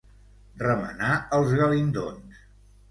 Remenar els galindons.